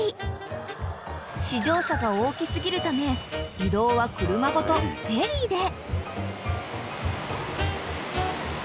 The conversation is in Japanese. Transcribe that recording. ［試乗車が大き過ぎるため移動は車ごとフェリーで］